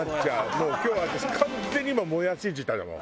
もう今日私完全に今もやし舌だもん。